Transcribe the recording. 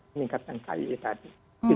peningkatan kali ini tadi